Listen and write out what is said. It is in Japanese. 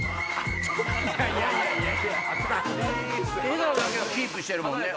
笑顔だけはキープしてるもんね。